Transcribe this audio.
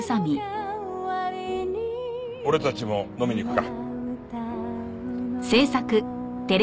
俺たちも飲みに行くか。